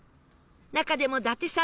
中でも伊達さん